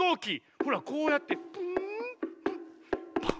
ほらこうやってプンパン！